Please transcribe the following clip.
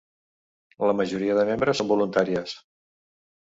La majoria de membres són voluntàries.